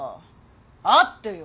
会ってよ。